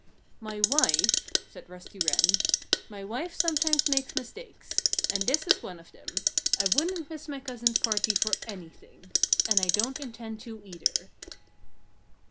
"My wife " said Rusty Wren "my wife sometimes makes mistakes. And this is one of them. I wouldn't miss my cousin's party for anything. And I don't intend to, either."